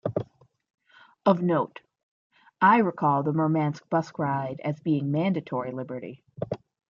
Of note: I recall the Murmansk bus ride as being mandatory liberty.